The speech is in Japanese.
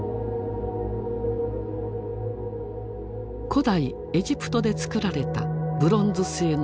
古代エジプトで作られたブロンズ製の猫。